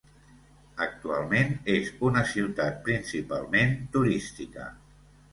Actualment és una ciutat principalment turística.